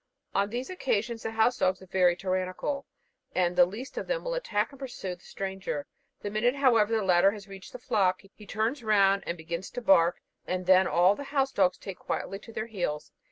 On these occasions the house dogs are very tyrannical, and the least of them will attack and pursue the stranger. The minute, however, the latter has reached the flock, he turns round and begins to bark, and then all the house dogs take very quietly to their heels.